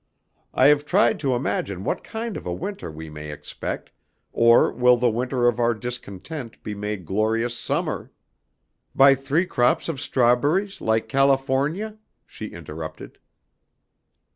I have tried to imagine what kind of a winter we may expect, or will the winter of our discontent be made glorious summer " "By three crops of strawberries, like California?" she interrupted.